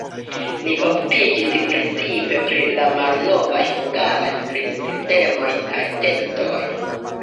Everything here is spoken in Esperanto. Li okupiĝis precipe pri la malnovaj hungaraj skribsistemoj kaj tekstoj.